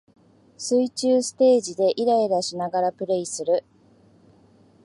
水中ステージでイライラしながらプレイする